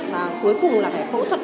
và cuối cùng là phải phẫu thuật